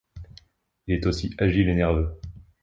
Il est aussi agile et nerveux.